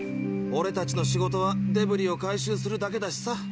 オレたちの仕事はデブリを回収するだけだしさ。